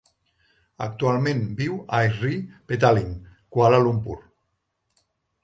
Actualment viu a Sri Petaling, Kuala Lumpur.